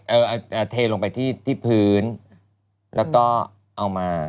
เออเอาเทลงไปที่พื้นแล้วก็เอามา